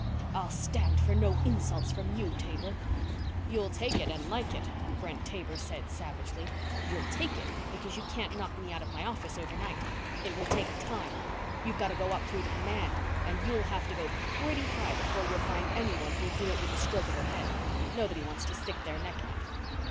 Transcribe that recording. "I'll stand for no insults from you, Taber!" "You'll take it and like it," Brent Taber said savagely. "You'll take it because you can't knock me out of my office overnight. It will take time. You've got to go up through the command and you'll have to go pretty high before you'll find anyone who'll do it with the stroke of a pen. Nobody wants to stick their neck out."